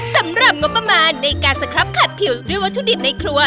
สำหรับงบประมาณในการสครับขัดผิวด้วยวัตถุดิบในครัว